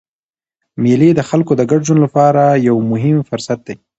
مېلې د خلکو د ګډ ژوند له پاره یو مهم فرصت دئ.